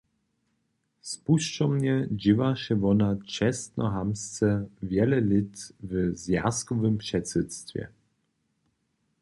Spušćomnje dźěłaše wona čestnohamtsce wjele lět w zwjazkowym předsydstwje.